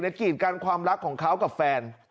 กีดกันความรักของเขากับแฟน